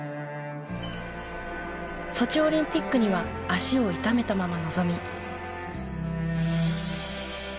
ソチオリンピックには足を痛めたまま臨み。